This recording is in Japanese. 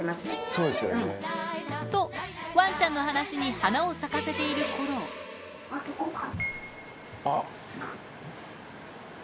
そうですよね。とワンちゃんの話に花を咲かせている頃あっここか。